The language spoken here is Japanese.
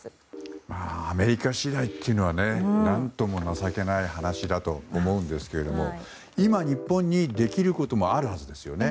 アメリカ次第というのは何とも情けない話だと思うんですけども今、日本にできることもあるはずですよね。